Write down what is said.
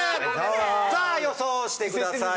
さあ予想をしてください。